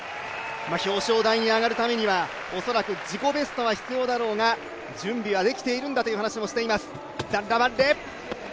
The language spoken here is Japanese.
表彰台に上がるためには自己ベストは必要だろうが、準備はできていると話しています。